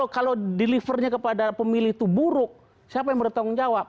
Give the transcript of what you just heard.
kalau delivernya kepada pemilih itu buruk siapa yang bertanggung jawab